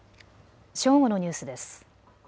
正午のニュースです。